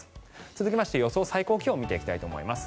続いて、予想最高気温を見ていきます。